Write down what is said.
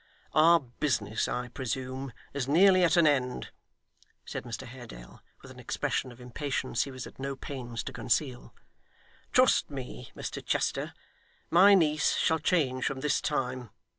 'Our business, I presume, is nearly at an end,' said Mr Haredale, with an expression of impatience he was at no pains to conceal. 'Trust me, Mr Chester, my niece shall change from this time.